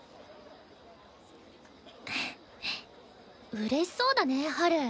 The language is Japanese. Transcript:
うれしそうだねハル。